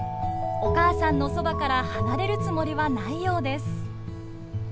お母さんのそばから離れるつもりはないようです。